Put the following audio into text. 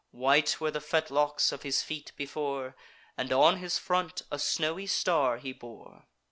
White were the fetlocks of his feet before, And on his front a snowy star he bore.